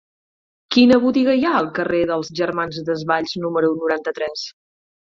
Quina botiga hi ha al carrer dels Germans Desvalls número noranta-tres?